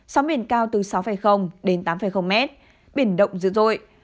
sóng biển cao từ sáu đến tám mét biển động dữ dội